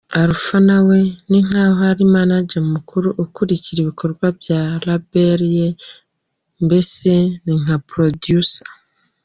Alpha nawe ninkaho ari manager mukuru ukurikira ibikorwa bya label ye, mbese ninka producer.